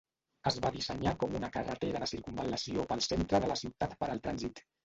Es va dissenyar com una carretera de circumval·lació pel centre de la ciutat per al trànsit.